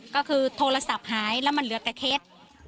ก็คือโทรศัพท์หายแล้วมันเหลือแต่เคส